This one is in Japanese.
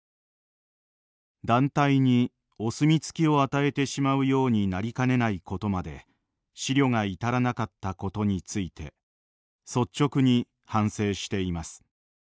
「団体にお墨付きを与えてしまうようになりかねないことまで思慮が至らなかったことについて率直に反省しています。